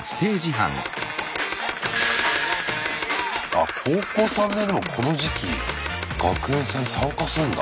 あっ高校３年のこの時期学園祭に参加すんだ。